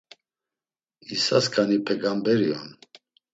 İsasǩani pegamberi on.